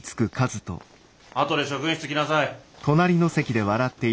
あとで職員室来なさい。